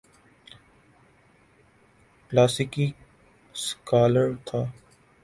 کلاسیکی سکالر تھا۔